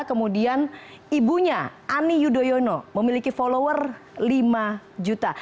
kemudian ibunya ani yudhoyono memiliki follower lima juta